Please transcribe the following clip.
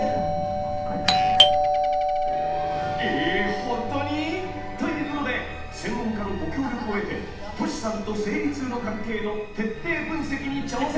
ほんとに？ということで専門家のご協力を得てトシさんと生理痛の関係の徹底分析に挑戦！